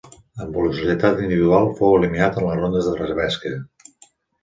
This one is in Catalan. En velocitat individual fou eliminat en les rondes de repesca.